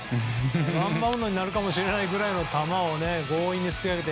ワンバウンドになるかもしれないくらいの球を強引にすくい上げて。